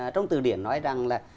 trong từ điển nói rằng là